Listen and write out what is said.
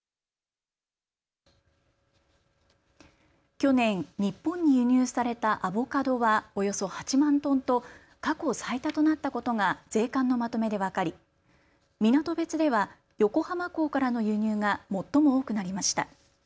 去年、日本に輸入されたアボカドは、およそ８万トンと過去最多となったことが税関のまとめで分かり港別では横浜港からの輸入が最も多くなりました。